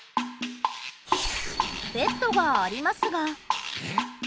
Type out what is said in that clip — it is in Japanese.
ベッドがありますが。